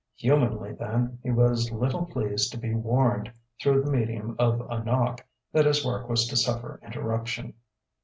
Humanly, then, he was little pleased to be warned, through the medium of a knock, that his work was to suffer interruption.